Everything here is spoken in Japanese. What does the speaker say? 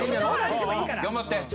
頑張って。